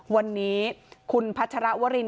วันนี้คุณพัชรวริน